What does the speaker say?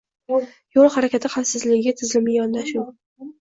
Yo‘l harakati xavfsizligiga tizimli yondashuv